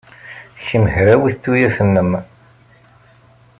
Kemm hrawit tuyat-nnem.